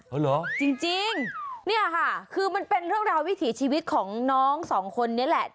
เอาเหรอจริงเนี่ยค่ะคือมันเป็นเรื่องราววิถีชีวิตของน้องสองคนนี้แหละ